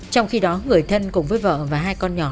trong khi đó người thân cùng với vợ và hai con nhỏ